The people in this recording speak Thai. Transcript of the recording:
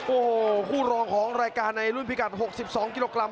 โอ้โหคู่รองของรายการในรุ่นพิกัด๖๒กิโลกรั